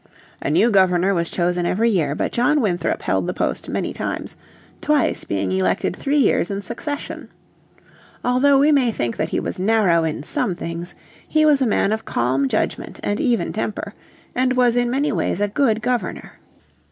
A new Governor was chosen every year, but John Winthrop held the post many times, twice being elected three years in succession. Although we may think that he was narrow in some things, he was a man of calm judgment and even temper, and was in many ways a good Governor.